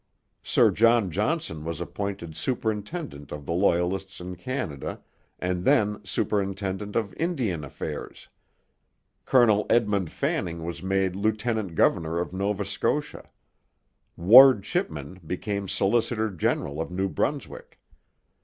Sir John Johnson was appointed superintendent of the Loyalists in Canada, and then superintendent of Indian Affairs; Colonel Edmund Fanning was made lieutenant governor of Nova Scotia; Ward Chipman became solicitor general of New Brunswick.